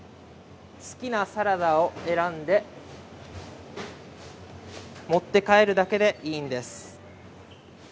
好きなサラダを選んで、持って帰るだけでいいんです。